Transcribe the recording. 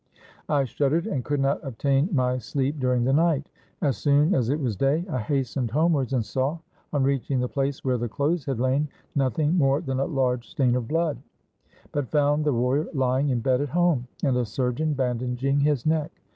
I shuddered, and could not obtain my sleep during the night. As soon as it was day I hastened home 478 I A ROMAN BANQUET wards, and saw, on reaching the place where the clothes had lain, nothing more than a large stain of blood; but found the warrior lying in bed at home, and a surgeon bandaging his neck.